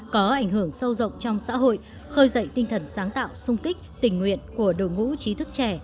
có ảnh hưởng sâu rộng trong xã hội khơi dậy tinh thần sáng tạo sung kích tình nguyện của đội ngũ trí thức trẻ